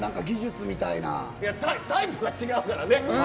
タイプが違うからね。